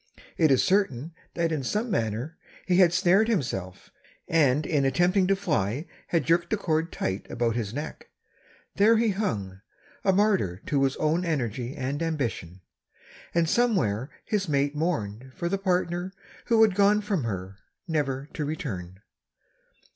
It is certain that in some manner he had snared himself, and in attempting to fly had jerked the cord tight about his neck. There he hung, a martyr to his own energy and ambition; and somewhere his mate mourned for the partner who had gone from her never to return.